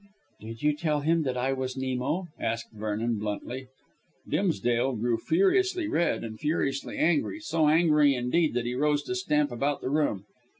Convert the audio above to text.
"Did you tell him that I was Nemo?" asked Vernon bluntly. Dimsdale grew furiously red and furiously angry, so angry indeed that he rose to stamp about the room.